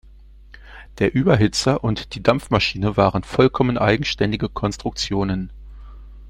Der Überhitzer und die Dampfmaschine waren vollkommen eigenständige Konstruktionen.